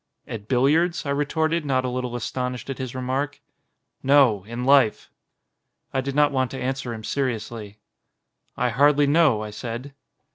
"At billiards?" I retorted not a little astonished at his remark. "No, in life." I did not want to answer him seriously, "I hardly know," I said.